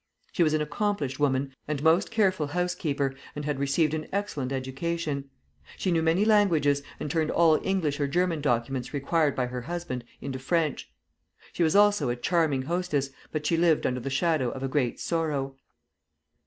She was an accomplished woman and most careful housekeeper, and had received an excellent education. She knew many languages, and turned all English or German documents required by her husband into French. She was also a charming hostess, but she lived under the shadow of a great sorrow.